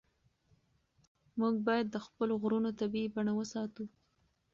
موږ باید د خپلو غرونو طبیعي بڼه وساتو.